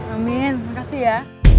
amin makasih ya